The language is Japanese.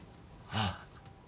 ああ。